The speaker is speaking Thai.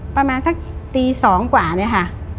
ประมาณสักตี๒กว่าเนี่ยค่ะ